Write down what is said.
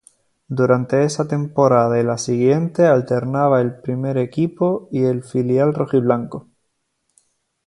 Durante esa temporada y la siguiente alternaba el primer equipo y el filial rojiblanco.